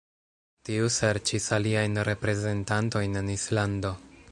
Tiu serĉis aliajn reprezentantojn en Islando.